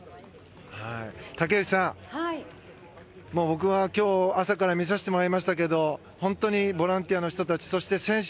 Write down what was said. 武内さん、もう僕は今日朝から見させていただきましたが本当にボランティアの人たちそして、選手